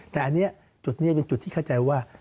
แต่อันนี้จุดนี้เป็นจุดที่เข้าใจว่า